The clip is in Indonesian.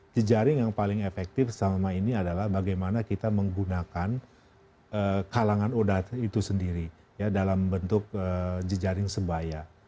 jejaring yang paling efektif selama ini adalah bagaimana kita menggunakan kalangan oda itu sendiri ya dalam bentuk jejaring sebaya